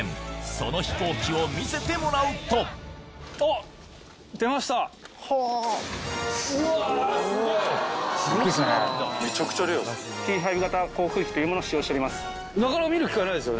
その飛行機を見せてもらうとＴ−５型航空機というものを使用しております。